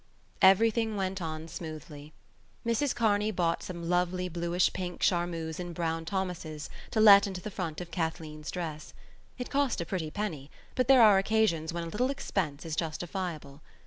Everything went on smoothly. Mrs Kearney bought some lovely blush pink charmeuse in Brown Thomas's to let into the front of Kathleen's dress. It cost a pretty penny; but there are occasions when a little expense is justifiable.